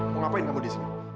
mau ngapain kamu disini